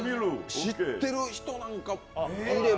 知ってる人なんかいれば。